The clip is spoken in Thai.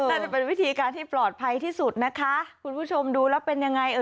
น่าจะเป็นวิธีการที่ปลอดภัยที่สุดนะคะคุณผู้ชมดูแล้วเป็นยังไงเออ